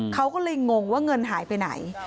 เขาก็เลยงงว่าเงินหายไปไหน